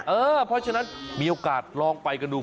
เพราะฉะนั้นมีโอกาสลองไปกันดู